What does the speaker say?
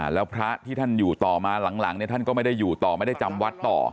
แล้วพระที่ท่านอยู่ต่อมาหลังท่านก็ไม่ได้อยู่ต่อไม่ได้จำวัดต่อ